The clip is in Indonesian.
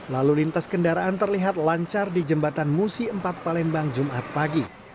lalu lintas kendaraan terlihat lancar di jembatan musi empat palembang jumat pagi